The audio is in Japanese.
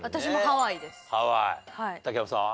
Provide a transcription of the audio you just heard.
竹山さんは？